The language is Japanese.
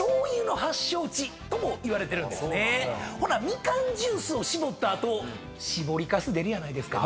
みかんジュースを搾った後搾りかす出るやないですか。